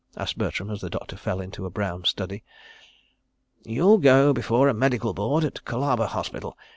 asked Bertram, as the doctor fell into a brown study. "You'll go before a Medical Board at Colaba Hospital.